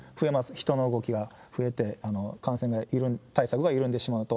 人の動きが増えて、感染対策が緩んでしまうと。